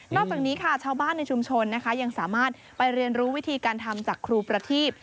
อกจากนี้ค่ะชาวบ้านในชุมชนนะคะยังสามารถไปเรียนรู้วิธีการทำจากครูประทีบ